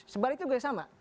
sebaliknya juga sama